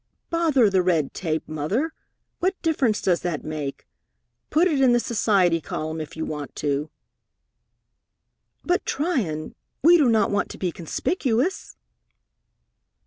"Bother the red tape, Mother! What difference does that make? Put it in the society column if you want to." "But, Tryon, we do not want to be conspicuous!"